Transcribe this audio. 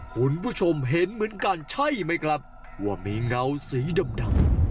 คุณผู้ชมเห็นเหมือนกันใช่ไหมครับว่ามีเงาสีดำ